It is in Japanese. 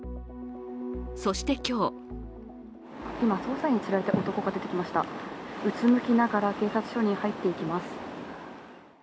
そして今日今、捜査員に連れられて男が出てきました、うつむきながら警察署に入っていきます。